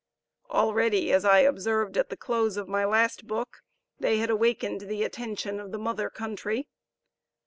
Already, as I observed at the close of my last book, they had awakened the attention of the mother country.